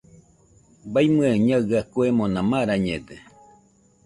Baimɨe Ñaɨa kuemona marañede.